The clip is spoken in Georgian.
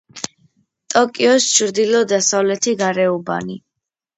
ტოკიოს ჩრდილო-დასავლეთი გარეუბანი.